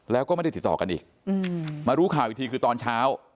แล้วก็ไม่ได้ติดต่อกันอีกมารู้ข่าวอีกทีคือตอนเช้า